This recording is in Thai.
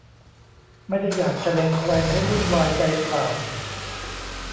ไม่ได้อยากจะเล็งใครให้วุ่นวายใจเปล่า